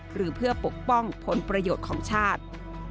หรือเพื่อปกป้องผลประโยชน์ของชาติ